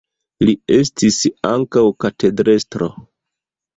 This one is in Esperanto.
Li estis ankaŭ katedrestro.